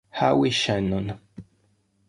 Howie Shannon